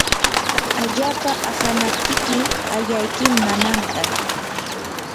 allapa ahanaptiki ayaykim nananqa.